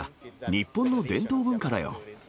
日本の伝統文化だよ。